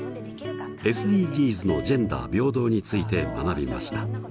ＳＤＧｓのジェンダー平等について学びました。